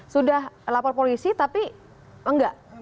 sudah lapor polisi tapi enggak